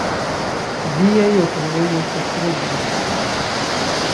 Viaj okuloj estas tre brilaj!